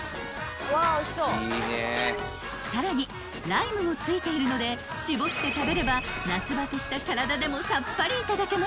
［さらにライムもついているので搾って食べれば夏バテした体でもさっぱりいただけます］